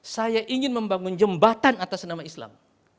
saya ingin membangun jembatan atas nama islam